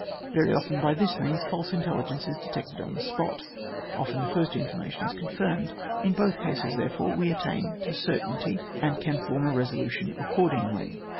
Very often, by this means, false intelligence is detected on the spot ; often the first in formation is confirmed ; in both cases, therefore, we attain to certainty, and can form a resolution accordingly.